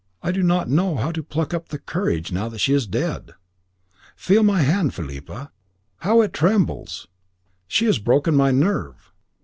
I do not know how to pluck up courage now that she is dead. Feel my hand, Philippa, how it trembles. She has broken my nerve.